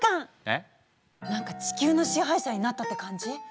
何か地球の支配者になったって感じ？